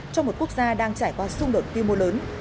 trong một quốc gia đang trải qua xung đột quy mô lớn